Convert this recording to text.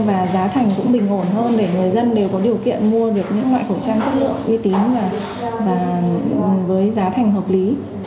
và giá thành cũng bình ổn hơn để người dân đều có điều kiện mua được những loại khẩu trang chất lượng uy tín và với giá thành hợp lý